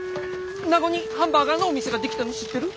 名護にハンバーガーのお店が出来たの知ってる？